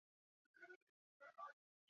西藏噶厦的决定遭到中央政府的反对。